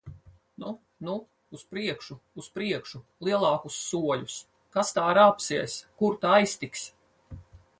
Nu, nu! Uz priekšu! Uz priekšu! Lielākus soļus! Kas tā rāpsies! Kur ta aiztiks!